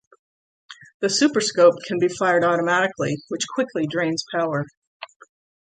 The Super Scope can be fired automatically, which quickly drains power.